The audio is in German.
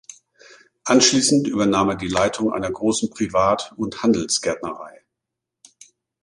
Anschließend übernahm er die Leitung einer großen Privat- und Handelsgärtnerei.